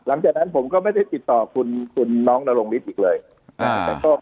หลังจากนั้นผมก็ไม่ได้ติดต่อคุณน้องนรงฤทธิ์อีกเลย